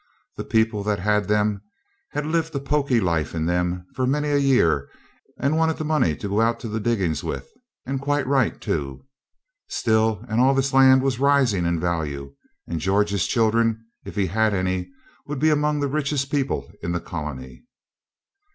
The people that had them, and had lived a pokey life in them for many a year, wanted the money to go to the diggings with, and quite right too. Still, and all this land was rising in value, and George's children, if he had any, would be among the richest people in the colony.